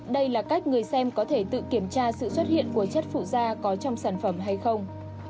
đây là cách người xem có thể tự kiểm tra sự xuất hiện của chất phụ da có trong sản phẩm hay không